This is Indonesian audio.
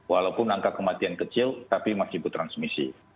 walaupun angka kematian kecil tapi masih bertransmisi